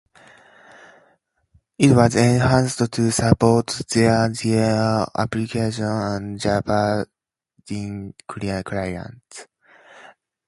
It was enhanced to support three tier applications and Java thin clients.